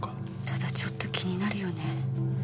ただちょっと気になるよね。